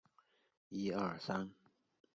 仕至湖广按察使司副使。